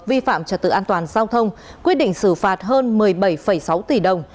vi phạm trật tự an toàn giao thông quyết định xử phạt hơn một mươi bảy sáu tỷ đồng